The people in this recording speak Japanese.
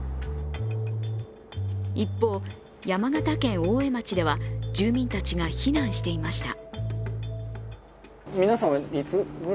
一方、山形県大江町では住民たちが避難していました。